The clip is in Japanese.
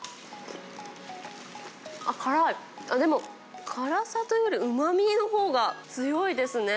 辛い、でも、辛さというよりうまみのほうが強いですね。